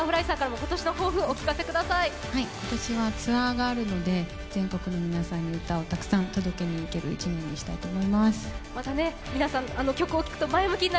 今年はツアーがあるので全国の皆さんに歌をたくさん届ける一年にしたいと思います。